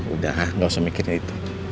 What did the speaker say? udah gak usah mikirnya itu